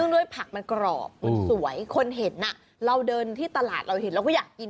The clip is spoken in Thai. ด้วยผักมันกรอบมันสวยคนเห็นเราเดินที่ตลาดเราเห็นเราก็อยากกิน